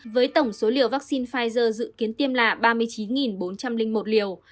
với tổng số liều vaccine pfizer dự kiến tiêm là ba mươi chín bốn trăm linh một liều